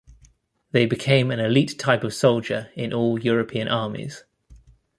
They became an elite type of soldier in all European armies.